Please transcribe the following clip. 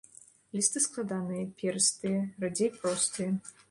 Лісты складаныя, перыстыя, радзей простыя.